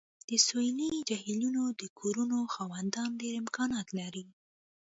د سویلي جهیلونو د کورونو خاوندان ډیر امکانات لري